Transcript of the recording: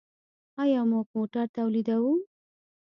آیا موږ موټر تولیدوو؟